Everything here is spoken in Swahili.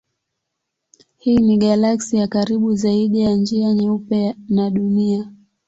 Hii ni galaksi ya karibu zaidi na Njia Nyeupe na Dunia.